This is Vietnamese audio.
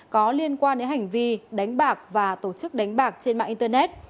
có liên quan đến hành vi đánh bạc và tổ chức đánh bạc trên mạng internet